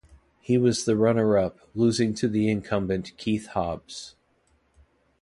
He was the runner up, losing to the incumbent Keith Hobbs.